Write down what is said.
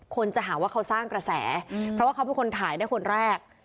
คนจะหาว่าเขาสร้างกระแสเพราะว่าเขาเป็นคนถ่ายได้คนแรก